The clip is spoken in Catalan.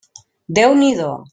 Déu n'hi do!